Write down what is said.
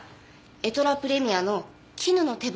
エトラ・プレミアの絹の手袋。